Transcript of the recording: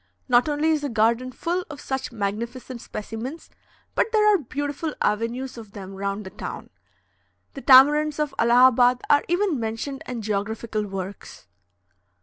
Not only is the garden full of such magnificent specimens, but there are beautiful avenues of them round the town. The tamarinds of Allahabad are even mentioned in geographical works.